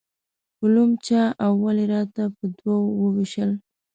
علوم چا او ولې راته په دوو وویشل.